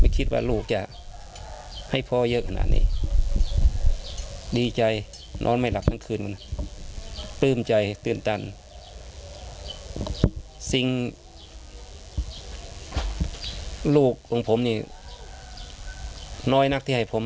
ขอชื่นชมลูกผม